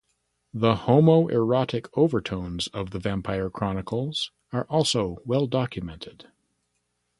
The homoerotic overtones of "The Vampire Chronicles" are also well-documented.